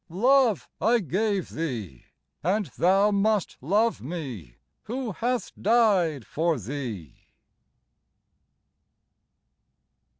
. Love I gave thee .. And thou must love Me who hath died for thee